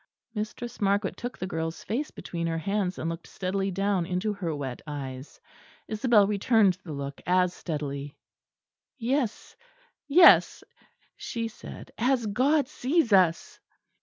Mistress Margaret took the girl's face between her hands, and looked steadily down into her wet eyes. Isabel returned the look as steadily. "Yes, yes," she said, "as God sees us."